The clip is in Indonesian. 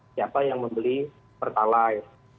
siapa yang membeli pertalite